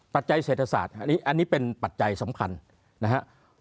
ปัจจัยเศรษฐศาสตร์อันนี้เป็นปัจจัยสำคัญนะครับ